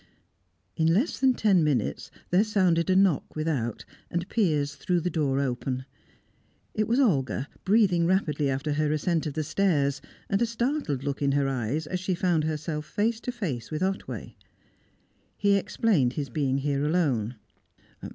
In less than ten minutes, there sounded a knock without, and Piers threw the door open. It was Olga, breathing rapidly after her ascent of the stairs, and a startled look in her eyes as she found herself face to face with Otway. He explained his being here alone.